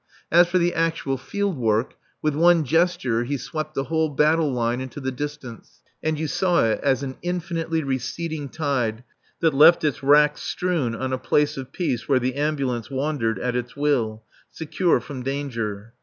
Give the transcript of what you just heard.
As for the actual field work, with one gesture he swept the whole battle line into the distance, and you saw it as an infinitely receding tide that left its wrack strewn on a place of peace where the ambulance wandered at its will, secure from danger.